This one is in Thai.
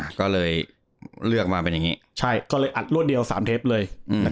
ก็เลยเลือกมาเป็นอย่างงี้ใช่ก็เลยอัดรวดเดียวสามเทปเลยอืม